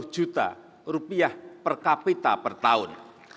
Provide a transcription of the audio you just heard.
dua puluh juta rupiah per kapita per tahun